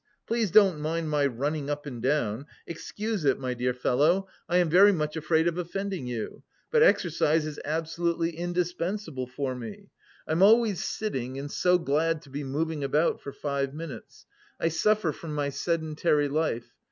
please don't mind my running up and down, excuse it, my dear fellow, I am very much afraid of offending you, but exercise is absolutely indispensable for me. I'm always sitting and so glad to be moving about for five minutes... I suffer from my sedentary life...